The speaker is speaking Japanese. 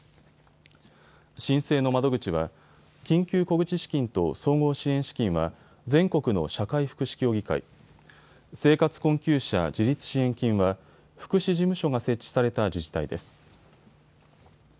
申請の窓口は緊急小口資金と総合支援資金は全国の社会福祉協議会、生活困窮者自立支援金は福祉事務所が設置された自治体です。